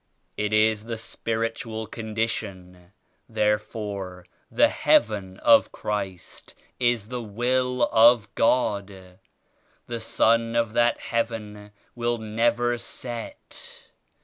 It is the spiritual condition. Therefore the ^Heaven' of Christ is the Will of God. The Sun of that Heaven will never set.